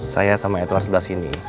saya sama edward sebelah sini